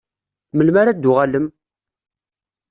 Melmi ara d-tuɣalem?